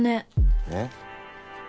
えっ？